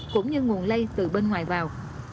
cũng như nguồn lây từ bên ngoài vào